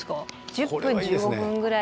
１０分１５分ぐらい。